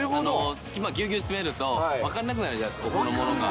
隙間、ぎゅうぎゅうに詰めると、分かんなくなるじゃないですか、ほかのものが。